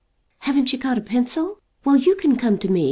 "Haven't you got a pencil? Well, you can come to me.